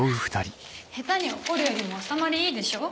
下手に怒るよりも収まりいいでしょ？